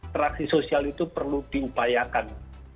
interaksi sosial itu perlu diupayakan